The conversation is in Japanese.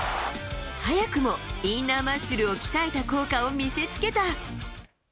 早くもインナーマッスルを鍛えた効果を見せつけた。